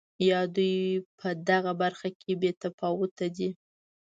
یا دوی په دغه برخه کې بې تفاوته دي.